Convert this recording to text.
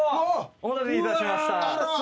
お待たせいたしました。